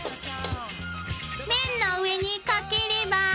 ［麺の上にかければ］